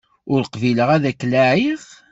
Ur qbileɣ ad k-laɛiɣ!